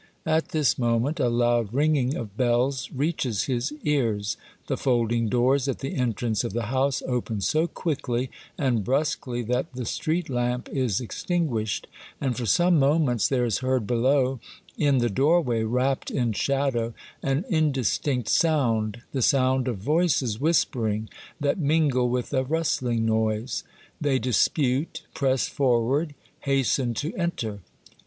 At this moment a loud ringing of bells reaches his ears ; the folding doors at the entrance of the house open so quickly and brusquely that the street lamp is extinguished, and for some moments there is heard below, in the doorway wrapped in shadow, an indistinct sound, the sound of voices whispering, that mingle with a rustling noise. They dispute, press forward, hasten to enter.